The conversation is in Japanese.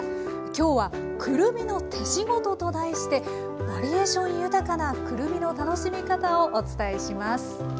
今日は「くるみの手仕事」と題してバリエーション豊かなくるみの楽しみ方をお伝えします。